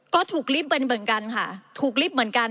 ก็ถูกรีบเหมือนกัน